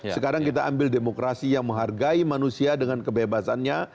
sekarang kita ambil demokrasi yang menghargai manusia dengan kebebasannya